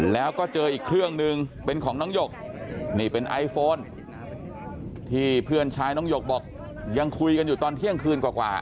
แล้วก็เจออีกเครื่องนึงเป็นของน้องหยกนี่เป็นไอโฟนที่เพื่อนชายน้องหยกบอกยังคุยกันอยู่ตอนเที่ยงคืนกว่า